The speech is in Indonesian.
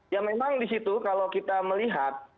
ya memang di situ kalau kita melihat